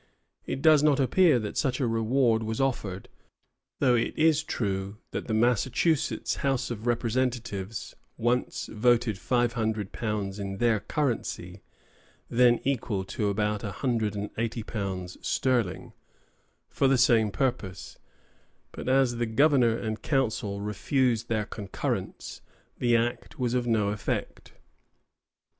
It does not appear that such a reward was offered, though it is true that the Massachusetts House of Representatives once voted five hundred pounds in their currency then equal to about a hundred and eighty pounds sterling for the same purpose; but as the governor and Council refused their concurrence, the Act was of no effect.